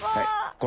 これ。